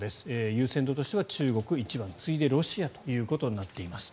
優先度としては中国が１番次いでロシアということになっています。